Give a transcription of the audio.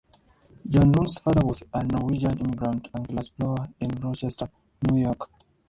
John Lund's father was a Norwegian immigrant and glassblower in Rochester, New York.